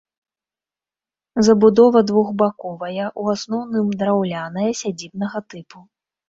Забудова двухбаковая, у асноўным драўляная, сядзібнага тыпу.